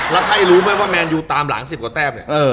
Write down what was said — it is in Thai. แล้วใครรู้ไหมว่าแมนยูตามหลัง๑๐กว่าแต้มเนี่ย